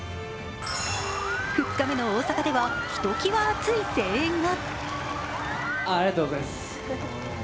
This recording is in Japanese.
２日目の大阪ではひときわ熱い声援が。